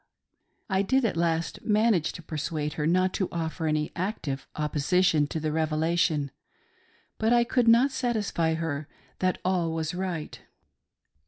I did at last manage to persuade her not to offer any active opposition to the revelation, but I could not satisfy her that all was right.